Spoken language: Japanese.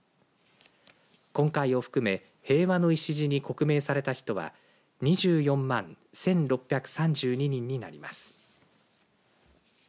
今回を含め平和の礎に刻銘された人は２４万１６３２人になります。